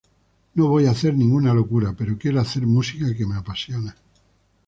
No voy a hacer ninguna locura, pero quiero hacer música que me apasiona.